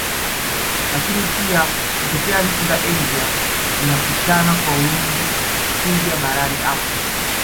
Lakini pia kutokea nchi za Asia zinapishana kwa wingi kuja barani Afrika